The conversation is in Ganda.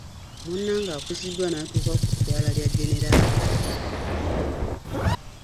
Munnamagye akuziddwa n'atuuka ku daala lya generaali.